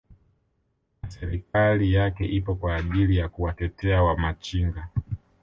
na serikali yake ipo kwa ajili ya kuwatetea wa machinga